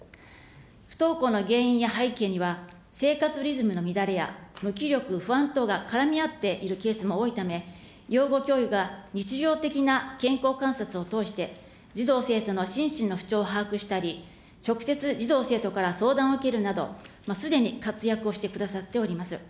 不登校の原因や背景には、生活リズムの乱れや無気力、不安等が絡み合っているケースも多いため、養護教諭が日常的な健康観察を通して、児童・生徒の心身の不調を把握したり、直接、児童・生徒から相談を受けるなど、すでに活躍をしてくださっております。